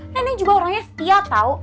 nenek juga orangnya setia tau